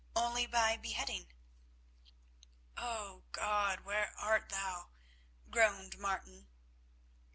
Only by beheading." "Oh! God, where art Thou?" groaned Martin.